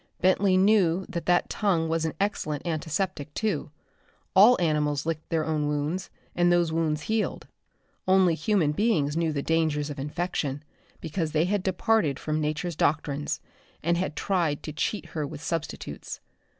Bentley knew that that tongue was an excellent antiseptic, too. All animals licked their own wounds, and those wounds healed. Only human beings knew the dangers of infection, because they had departed from Nature's doctrines and had tried to cheat her with substitutes.